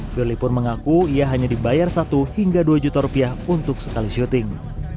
firly pun mengaku ia hanya dibayar satu hingga dua juta rupiah untuk sekali syuting